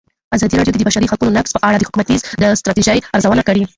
ازادي راډیو د د بشري حقونو نقض په اړه د حکومتي ستراتیژۍ ارزونه کړې.